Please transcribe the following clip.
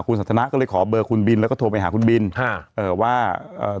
คุณสันทนาก็เลยขอเบอร์คุณบินแล้วก็โทรไปหาคุณบินฮะเอ่อว่าเอ่อ